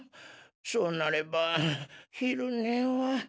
そうなれば昼ねは。